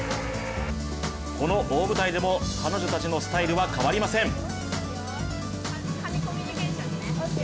この大舞台でも彼女たちのスタイルは変わりません。